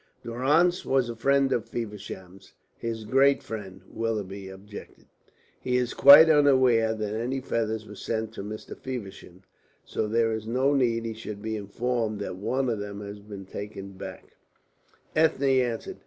"Durrance was a friend of Feversham's his great friend," Willoughby objected. "He is quite unaware that any feathers were sent to Mr. Feversham, so there is no need he should be informed that one of them has been taken back," Ethne answered.